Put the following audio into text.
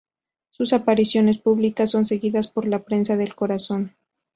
Sus apariciones públicas son seguidas por la prensa del corazón.